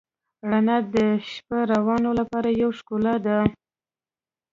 رڼا د شپهروانو لپاره یوه ښکلا ده.